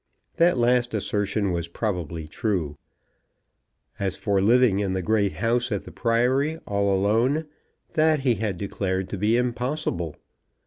That last assertion was probably true. As for living in the great house at the Priory all alone, that he had declared to be impossible.